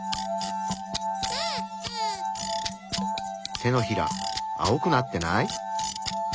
手のひら青くなってない？